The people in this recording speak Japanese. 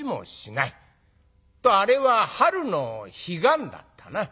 あれは春の彼岸だったな。